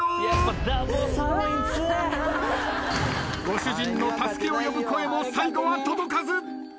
ご主人の助けを呼ぶ声も最後は届かず。